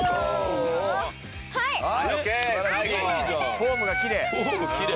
フォームがきれい。